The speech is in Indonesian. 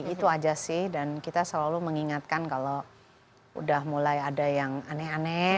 itu aja sih dan kita selalu mengingatkan kalau udah mulai ada yang aneh aneh